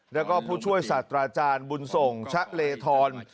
แล้วก็ผู้ช่วยศาสตราจารย์บุญส่งชะเลธร